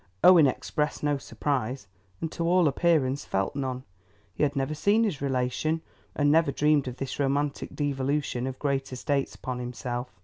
Owen expressed no surprise, and to all appearance felt none. He had never seen his relation, and never dreamed of this romantic devolution of great estates upon himself.